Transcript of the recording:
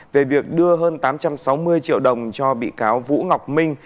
về việc đưa hơn tám trăm sáu mươi triệu đồng cho bị cáo vũ ngọc minh